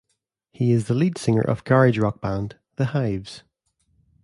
He is the lead singer of garage rock band The Hives.